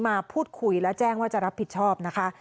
มาพูดคุยและแจ้งว่าจะรับผิดชอบนะคะ